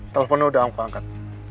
teleponnya udah aku angkat